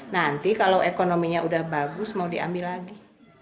nanti kalau ekonominya udah bagus mau diambil lagi